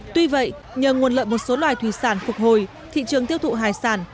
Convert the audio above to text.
tuy vậy nhờ nguồn lợi một số loài thủy sản phục hồi thị trường tiêu thụ hải sản